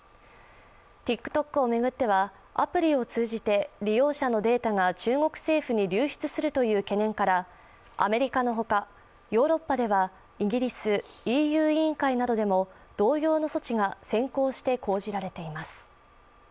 ＴｉｋＴｏｋをめぐっては、アプリを通じて利用者のデータが中国政府に流出するという懸念からアメリカのほか、ヨーロッパではイギリス、ＥＵ委員会などでも同様の措置が先行して講じられています。